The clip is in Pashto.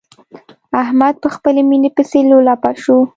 احمد په خپلې ميينې پسې لولپه شو.